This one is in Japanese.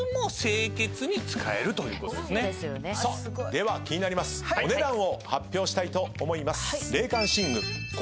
では気になりますお値段を発表したいと思います。